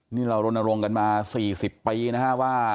นี่เรารณลงกันมา๔๐ปีนะครับว่า